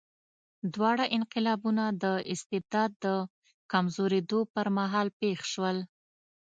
دواړه انقلابونه د استبداد د کمزورېدو پر مهال پېښ شول.